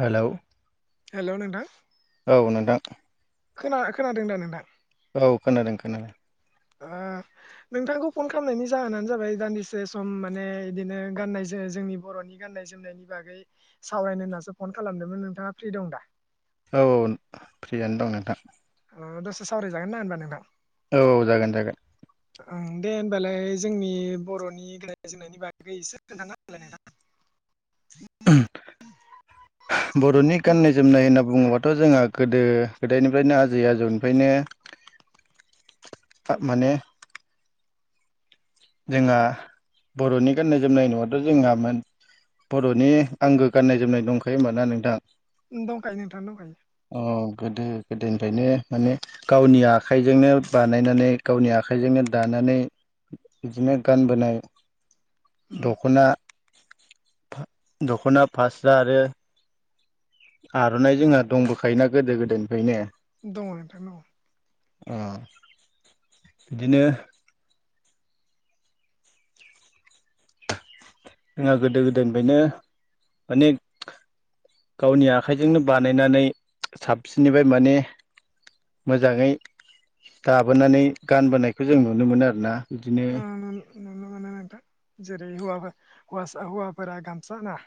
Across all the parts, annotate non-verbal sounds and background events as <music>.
Hello hello नोंथां। औ नोंथां। खोना-खोनादों दा नोंथां? औ खोनादों खोनादों। <unintelligible> नोंथांखौ फन खालामनायनि जाहोनानो जाबाय दान्दिसे सम माने बिदिनो गाननाय जोम जोंनि बर'नि गान गाननाय जोमनायनि बागै सावरायनो होन्नासो फन खालामदोंमोन नोंथाङा फ्रि दंदा? औ औ फ्रियानो दं नोंथां। दसे सावराय जागोना होनबा नोंथां। औ जागोन जागोन। ओं दे होमबालाय जोंनि बर'नि गानाय जोयनायनि बागै एसे खोन्थाना होलाय नोंथां। <inaudible> <unintelligible> <inaudible> बर'नि गाननाय जोमनाय होनना बुङोबाथ' जोंहा गोदो गोदायनिफ्रायनो आजै आजौनिफ्रायनो <inaudible> माने। जोंङा बर'नि गाननाय जोमनाय न'आथ' जोंङा मोन बर'नि आंगो गाननाय जोमनाय दंखायो होमबाना नोंथां। दंखायो नोंथां दंखायो। अ गोदो गोदोनिफ्रायनो माने गावनि आखाइजोंनो बानायनानै गावनि आखाइजोंनो दानानै <inaudible> बिदिनो गानबोनाय उम दख'ना दख'ना फास्रा आरो आर'नाइ जोंहा दंबोखायोना गोदो गोदोनिफ्रायनो दं नोंथां दं। अ बिदिनो। जोंहा गोदो गोदायनिफ्रायनो माने गावनि आखाइजोंनो बानायनानै साबसिननिफ्राय माने मोजाङै दाबोनानै गानबोनायखौ जों नुनो मोनो आरोना। बिदिनो उ नुन नुनो मोनो नोंथां जेरै हौवाबो हौवासा हौवाफोरा गामसा ना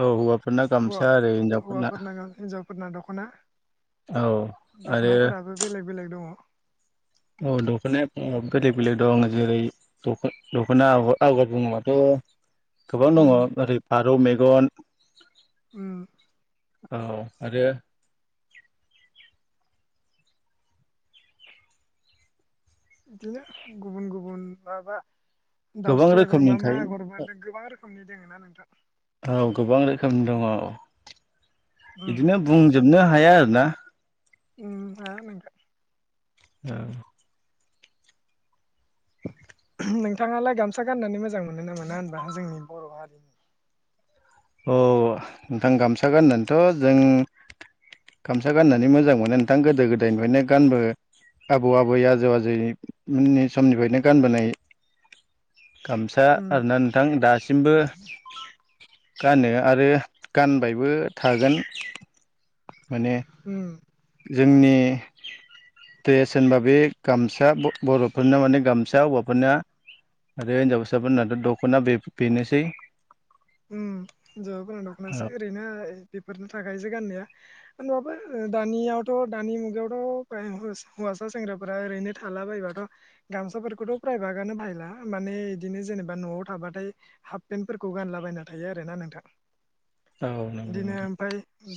औ हौवाफोरना हौवा गामसा आरो हिनजावफोरना हौवाफोरना हिनजावफोरना दख'ना औ आरो दख'नाफोराबो बेलेग बेलेग दङ औ दख'नाय फुङ बेलेग बेलेग दं जेरै दख'ना आ आबाद बुङोबाथ' गोबां दङ उम ओरै फारौ मेगन उ। औ आरो बिदिनो गुबुन गुबुन माबा गोबां दाउस्रि आगर रोखोमनि मा मा थायो आगर मा गोबां रोखोमनि दोङ ना नोंथां? औ गोबां रोखोम दङ औ उम बिदिनो बुंजोबनो हाया आरो ना। उ हाया नोंथा। आ। <inaudible> नोंथाङालाय गामसा गाननानै मोजां मोनो ना मोना होनबा जोंनि बर' हारिनि? औ नोंथां गामसा गाननानैथ' जों गामसा गाननानै मोजां मोनो नोंथां गोदो गोदायनिफ्रायनो गानबो आबौ आबै आजौ आजैमोननि समनिफ्रायनो गानबोनाय गामसा उम आरोना नोंथां दासिमबो गानो आरो गानबायबो थागोन माने उम जोंनि ट्रेस होनबा बे गामसा बर'फोरना माने गामसा हौवाफोरना आरो हिनजाविसाफोरनाथ' दख'ना बेब बेनोसै उ हिनजावा गोनां औ दख'नासो ओरैनो बेफोरनो थाखायसो गाननाया दानियावथ' दानि मुगायावथ' हौवासा सेंग्राफोरा ओरैनो थाला बायोबाथ' गामसाफोरखौथ' प्रायभागनो बाहला माने बिदिनो जेनेबा न'आव थाबाथाय हाफ पेन्टफोरखौ गानला बायना थायो आरोना नोंथा। औ नंगौ नोंथां।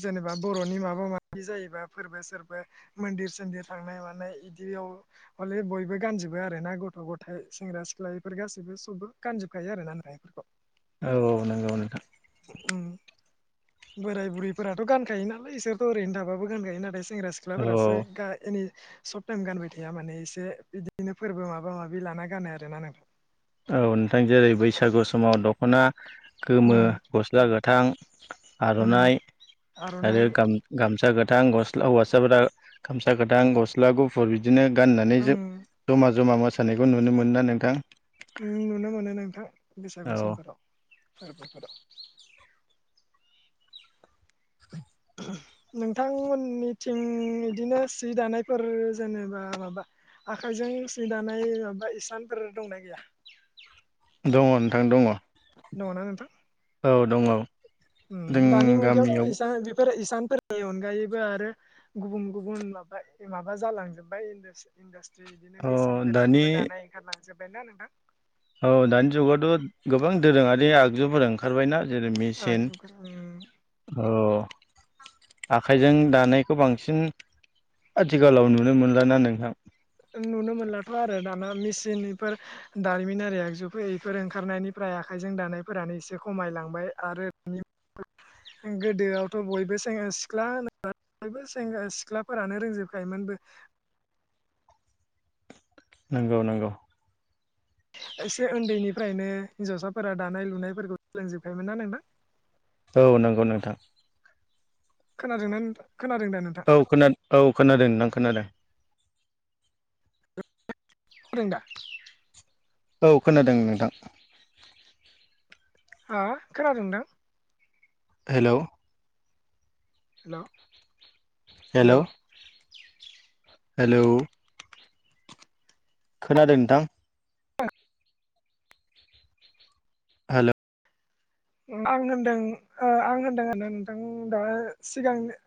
जेनेबा बर'नि माबा माबि जायोबा फोरबो सोरबो मन्दिर सोन्दिर थांनाय मानाय इदियाव हले बयबो गानजोबो आरो ना गथ' गथाय सेंग्रा सिख्लाफोर गासैबो सबो गानजोबखायो आरो जिलाननायफोरख' <unintelligible> औ औ नंगौ नोंथां। उं बोराय बुरैफोराथ' गानखायो नालाय इसोरथ' ओरैनो थाबाबो गानखायो नाथाय सेंग्रा औ औ सिख्लाफोरासो गा एनि सब टाइम गानबाय थाया माने एसे बिदिनो फोरबो माबा माबि लाना गानो आरोना नोंथां औ नोंथां जेरै बैसागु समाव दख'ना गोमो गस्ला गोथां नोंथां उम आर'नाइ आर'नाइ आरो गाम-गामसा गोथ थां गस हौवासाफोरा गामसा गोथां गस्ला गुफुर बिद दिनो गाननानै जो ओं जमा जमा मोसानायखौ नुनो मोना नोंथां? नों नुनो मोनो नोंथां बैसागु औ समफोराव फोरबो फोराव। नोंथांमोननिथिं इदिनो सि दानायफोर जेनेबा माबा आखायजों सि दानाय माबा इसानफोर दंना गैया? दङ नोंथां दङ। दङना नोंथां? औ दङ। उ जों दानि मुगायावथ' गामियाव एसाबिब बेरे इसानफोरनि अनगायैबो आरो गुबुन गुबुन माबा माबा जालांजोबबाय इण्डास इण्डास जे इदिनो अ मेचिनफोरजोंबो दानि दानाय ओंखारलांजोब्बायना नोंथां? औ दानि जुगावथ' गोबां दोरोङारि आगजुफोर ओंखारबायना जेरै मेसिन आगजुफोर उम अ आखाइजों दानायखौ बांसिन आथिखालाव नुनो मोनलााना नोंथां। नुनो मोनलाथ' आरो दाना मेचिनफोर दारिमिनारि आगजुफोर इफोर ओंखारनायनिफ्राय आखाइजों दानायफोरानो एसे खमायलांबाय आरो गोदोआवथ' बयबोें सिख्ला होनोब बें सिख्लाफोरानो रोंजोबखायोमोनबो <unintelligible> नंगौ नंगौ। एसे उन्दैनिफ्रायनो हिनजावसाफोरा दानाय लुनायफोरखौ सोलोंजोबखायोन ना नोंथां। औ नंगौ नोंथां। खोनादोंना नोंथां। खोनादों दा औ खोना औ खोनादों खोनादों। फोरोंदा औ खोनादों नोंथां। हा खोनादोंदां। हेल' हेल' हेल' <unintelligible> हेल' खोनादों नोंथां। हेल' आं होनदों आं होनदों आरोना नोंथां दा सिगांनि